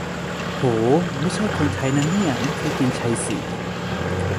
โห 'ไม่ใช่คนไทย' นะเนี่ย ไม่เคยกินชายสี่